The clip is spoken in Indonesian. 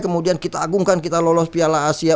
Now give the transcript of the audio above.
kemudian kita agungkan kita lolos piala asia